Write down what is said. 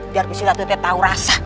biar gusti ratu itu tahu rasa